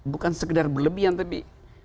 bukan sekedar berlebihan tapi